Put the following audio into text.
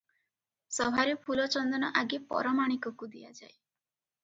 ସଭାରେ ଫୁଲଚନ୍ଦନ ଆଗେ ପରମାଣିକକୁ ଦିଆଯାଏ ।